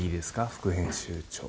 副編集長。